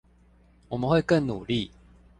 我們更會努力